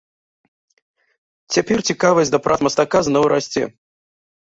Цяпер цікавасць да прац мастака зноў расце.